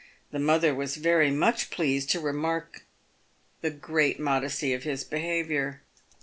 The mother was very much pleased to remark the great modesty of his behaviour.